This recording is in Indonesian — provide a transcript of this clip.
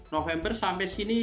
november sampai sini